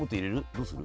どうする？